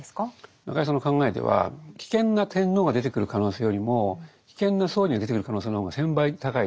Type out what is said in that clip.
中井さんの考えでは危険な天皇が出てくる可能性よりも危険な総理が出てくる可能性の方が１，０００倍高いと書いてるんですよ。